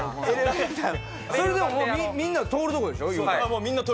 それもうみんな通るとこでしょ？